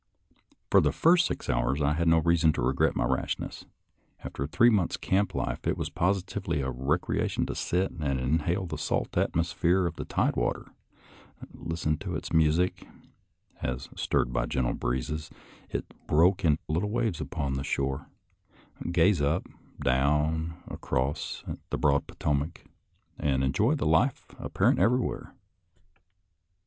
For the first six hours I had no reason to regret my rashness. After three months' camp life it was positively a recreation to sit and inhale the salt atmosphere of the tide water, listen to its music, as, stirred by gentle breezes, it broke in little waves upon the shore; gaze up, down, and across the broad Potomac, and enjoy the life apparent everywhere.